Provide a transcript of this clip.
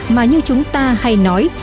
mà như chúng ta hay nói